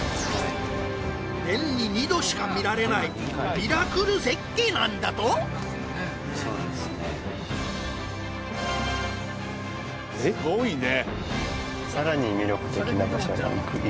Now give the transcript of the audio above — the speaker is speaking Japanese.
年に二度しか見られないミラクル絶景なんだとすごいね！